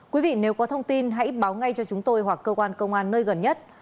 quý vị nếu có thông tin hãy báo ngay cho chúng tôi hoặc cơ quan công an nơi gần nhất